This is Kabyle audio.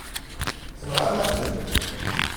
Tenɣam-aɣ-tent.